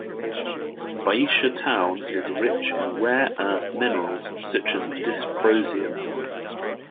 Baisha Town is rich in rare earth minerals such as dysprosium.